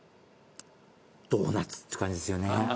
ドーナツって感じですよね。